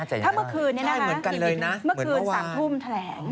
ใช่ต้องประมาณ๓ทุ่มเมื่อคืน๓ทุ่มแทค